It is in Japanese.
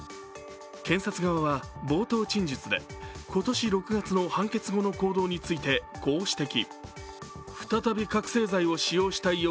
検察側は、冒頭陳述で今年６月の判決後の行動についてこう指摘。